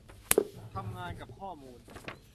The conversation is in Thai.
ทำงานกับข้อมูล